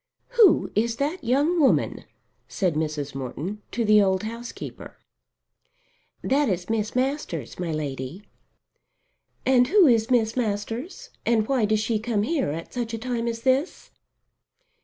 "Who is that young woman?" said Mrs. Morton to the old housekeeper. "That is Miss Masters, my Lady." "And who is Miss Masters, and why does she come here at such a time as this?"